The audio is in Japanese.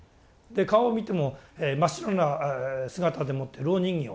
で顔を見ても真っ白な姿でもって蝋人形。